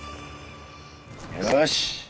よし！